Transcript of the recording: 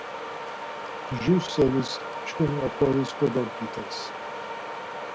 Jur seris çkun oxoris kododgites.